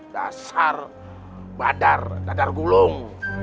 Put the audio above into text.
dasar badar dadar gulung